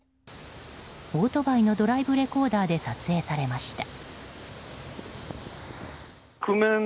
オートバイのドライブレコーダーで撮影されました。